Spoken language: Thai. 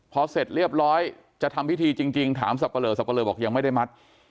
พอเสร็จเรียบร้อยจะทำพิธีจริงถามสับปะเลอสับปะเลอบอกยังไม่ได้มัด